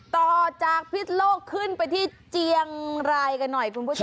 ต่อจากพิษโลกขึ้นไปที่เจียงรายกันหน่อยคุณผู้ชม